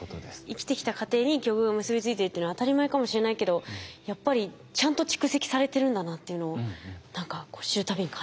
生きてきた過程に記憶が結び付いてるっていうのは当たり前かもしれないけどやっぱりちゃんと蓄積されてるんだなっていうのを何か知るたびに感じますね。